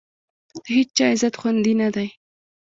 د هېچا عزت خوندي نه دی.